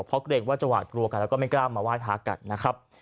เพราะเกรกว่าตกลัวกันและก็ไม่กล้ามาไหว้พาปกันนะครับ